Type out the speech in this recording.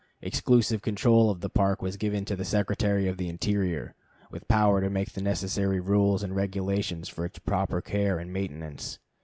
Exclusive control of the Park was given to the Secretary of the Interior, with power to make the necessary rules and regulations for its proper care and maintenance.